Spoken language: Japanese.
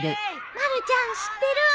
まるちゃん知ってる？